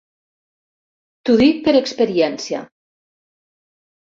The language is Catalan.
T'ho dic per experiència!